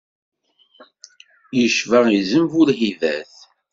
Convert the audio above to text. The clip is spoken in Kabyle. Yecba izem bu lhibat.